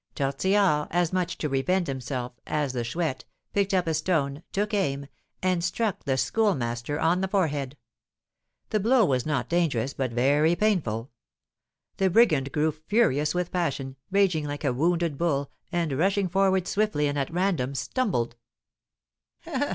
Tortillard, as much to revenge himself as the Chouette, picked up a stone, took aim, and struck the Schoolmaster on the forehead. The blow was not dangerous, but very painful. The brigand grew furious with passion, raging like a wounded bull, and, rushing forward swiftly and at random, stumbled.